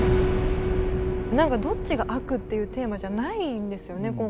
何かどっちが悪っていうテーマじゃないんですよね。